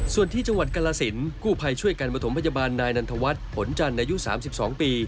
ส่วนที่จังหวัดกรสินกู้ภัยช่วยกันประถมพยาบาลนายนันทวัฒน์ผลจันทร์อายุ๓๒ปี